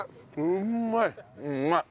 うまい。